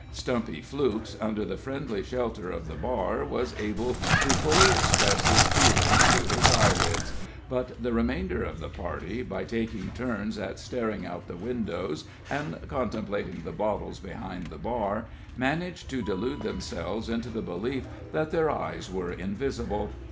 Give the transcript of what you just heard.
Stumpy Flukes, under the friendly shelter of the bar, was able to fully express his feelings through his eyelids, but the remainder of the party, by taking turns at staring out the windows, and contemplating the bottles behind the bar, managed to delude themselves into the belief that their eyes were invisible.